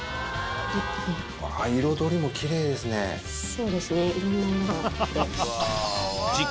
そうですねいろんな色があって。